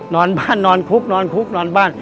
นอนบ้านนอนคุกนอนคุกนอนบ้าน